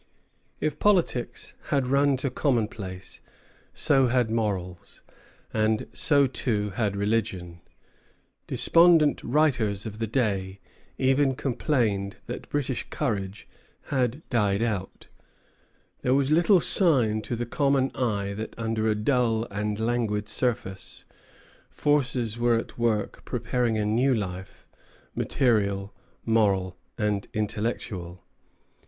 If politics had run to commonplace, so had morals; and so too had religion. Despondent writers of the day even complained that British courage had died out. There was little sign to the common eye that under a dull and languid surface, forces were at work preparing a new life, material, moral, and intellectual.